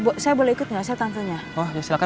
oh enggak apa apa